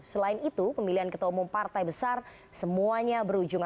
selain itu pemilihan kepentingan